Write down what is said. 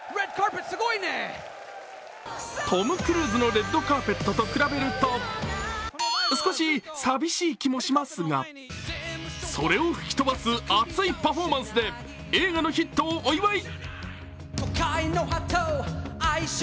トム・クルーズのレッドカーペットと比べると、少し寂しい気もしますがそれを吹き飛ばす熱いパフォーマンスで映画のヒットをお祝い。